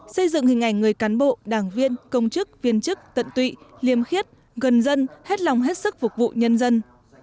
xây dựng hình ảnh người cán bộ đảng viên công chức viên chức tận tụy liêm khiết gần dân hết lòng hết sức phục vụ nhân dân